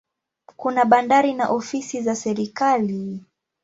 Kuna bandari na ofisi za serikali.